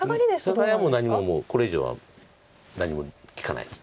サガリは何ももうこれ以上は何も利かないです。